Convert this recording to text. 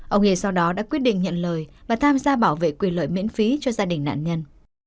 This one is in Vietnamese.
ông hề sau đó đã quyết định nhận lời và tham gia bảo vệ quyền lợi miễn phí cho gia đình nạn nhân